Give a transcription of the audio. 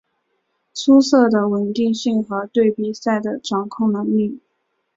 出色的稳定性和对比赛的掌控能力。